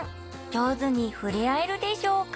上手に触れ合えるでしょうか？